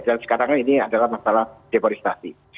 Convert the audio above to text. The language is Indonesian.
dan sekarang ini adalah masalah deforestasi